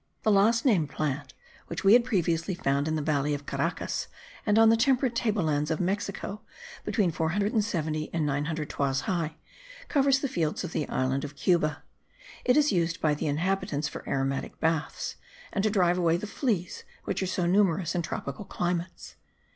The last named plant, which we had previously found in the valley of Caracas and on the temperate table lands of Mexico, between 470 and 900 toises high, covers the fields of the island of Cuba. It is used by the inhabitants for aromatic baths, and to drive away the fleas which are so numerous in tropical climates.